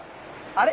あれ？